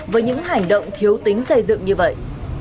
với những hành động thiếu tính xây dựng như vậy